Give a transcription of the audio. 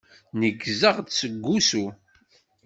Neggzeɣ-d seg usu.